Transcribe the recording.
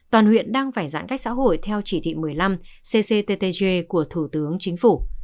toàn huyện đang phải giãn cách xã hội theo chỉ thị một mươi năm cctj của thủ tướng chính phủ